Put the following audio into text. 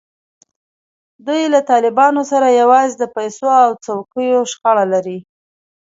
دوی له طالبانو سره یوازې د پیسو او څوکیو شخړه لري.